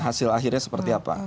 hasil akhirnya seperti apa